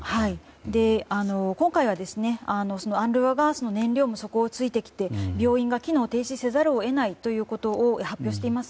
今回は、ＵＮＲＷＡが燃料が底をついてきて病院が機能停止せざるを得ないということを発表しています。